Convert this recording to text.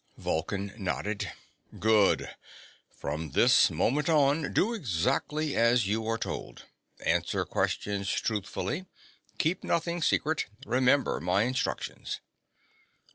Vulcan nodded. "Good. From this moment on, do exactly as you are told. Answer questions truthfully. Keep nothing secret. Remember my instructions."